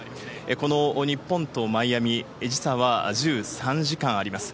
この日本とマイアミ、時差は１３時間あります。